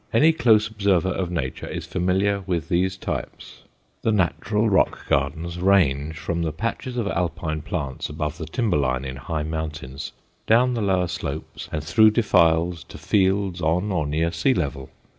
Any close observer of nature is familiar with these types. The natural rock gardens range from the patches of alpine plants above the timber line in high mountains down the lower slopes and through defiles to fields on or near sea level.